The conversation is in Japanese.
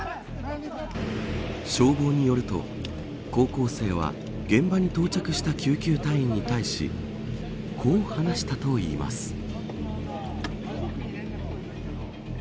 消防によると高校生は現場に到着した救急隊員に対しこう話したといいます。